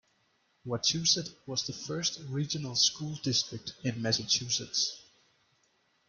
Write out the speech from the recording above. Wachusett was the first regional school district in Massachusetts.